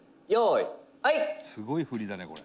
伊達：すごい振りだね、これ。